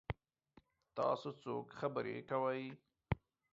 تاسو څوک خبرې کوي؟